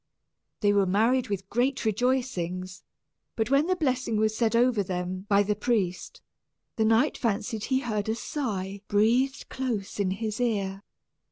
They were married with great rejoicings; but when the blessing was said over them by the priest, the knight fancied he heard a sigh breathed close in his ear.